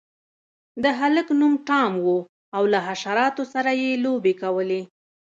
د هلک نوم ټام و او له حشراتو سره یې لوبې کولې.